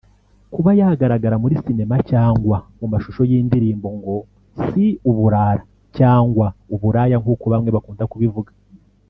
Kuba yagaragara muri cinema cyangwa mu mashusho y’indirimbo ngo si uburara cyangwa uburaya nkuko bamwe bakunda kubivuga